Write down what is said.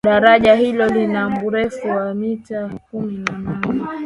daraja hilo lina urefu wa mita kumi na nane